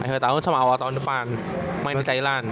akhir tahun sama awal tahun depan main di thailand